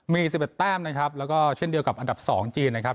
มี๑๑แต้มนะครับแล้วก็เช่นเดียวกับอันดับ๒จีนนะครับ